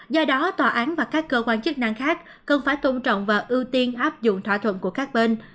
do đó tòa án và các cơ quan chức năng khác cần phải tôn trọng và ưu tiên áp dụng thỏa thuận của các bên